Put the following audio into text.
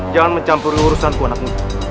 jangan mencampur urusan ku anakmu